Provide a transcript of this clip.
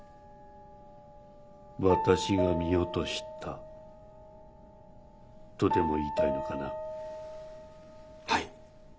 私が見落としたとでも言いたいのかな？